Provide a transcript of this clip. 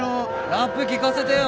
ラップ聴かせてよ。